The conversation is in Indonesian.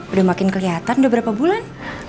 udah makin kelihatan udah berapa bulan